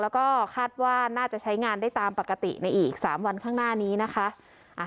แล้วก็คาดว่าน่าจะใช้งานได้ตามปกติในอีก๓วันข้างหน้านี้นะคะ